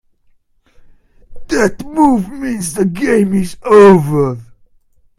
That move means the game is over.